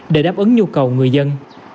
để đáp ứng nhu cầu người dân